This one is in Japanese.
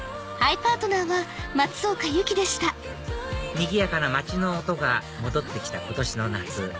にぎやかな街の音が戻ってきた今年の夏